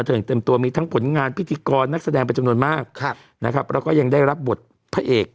เต็มตัวมีทั้งผลงานพิธีกรนักแสดงปัจจุนมนตร์มากแล้วก็ยังได้รับบทพระเอก